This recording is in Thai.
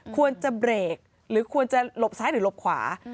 ควรจะเบรกหรือควรจะหลบซ้ายหรือหลบขวา